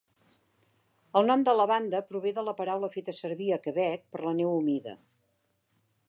El nom de la banda prové de la paraula feta servir a Quebec per la neu humida.